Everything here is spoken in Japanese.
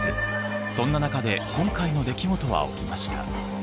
そんな中で今回の出来事は起きました。